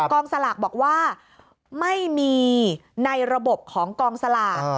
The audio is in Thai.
กองสลากบอกว่าไม่มีในระบบของกองสลาก